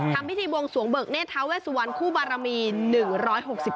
ทำพิธีบวงสวงเบิกเนธทาเวสวันคู่บารมีน